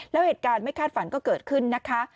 แล้วเหตุการณ์ไม่คาดฝันก็เกิดขึ้นนะคะ